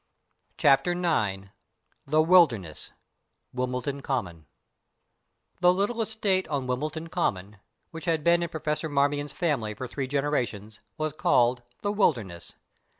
CHAPTER IX "THE WILDERNESS," WIMBLEDON COMMON The little estate on Wimbledon Common, which had been in Professor Marmion's family for three generations, was called "The Wilderness."